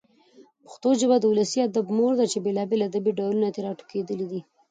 پښتو ژبه د ولسي ادب مور ده چي بېلابېل ادبي ډولونه ترې راټوکېدلي دي.